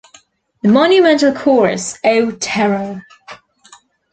The monumental chorus O terror!